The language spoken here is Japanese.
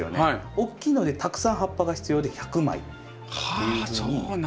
大きいのでたくさん葉っぱが必要で１００枚。はあそうなんだ。